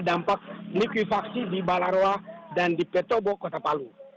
dampak likuifaksi di balaroa dan di petobo kota palu